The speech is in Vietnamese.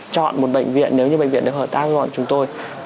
chọn một bệnh viện nếu như bệnh viện được hợp tác gọn chúng tôi